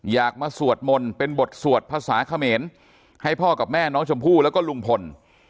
อยากมาสวดมนต์เป็นบทสวดภาษาเขมรให้พ่อกับแม่น้องชมพู่แล้วก็ลุงพล